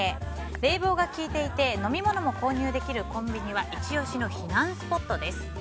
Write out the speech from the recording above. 冷房が効いていて飲み物も購入できるコンビニはイチ押しの避難スポットです。